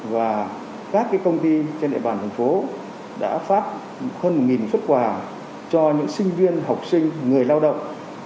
và các công ty trên địa bàn thành phố đã phát hơn một xuất quà cho những sinh viên học sinh người lao động